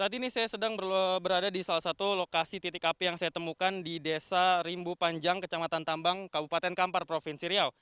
saat ini saya sedang berada di salah satu lokasi titik api yang saya temukan di desa rimbu panjang kecamatan tambang kabupaten kampar provinsi riau